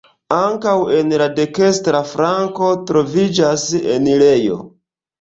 Ankaŭ en la dekstra flanko troviĝas enirejo.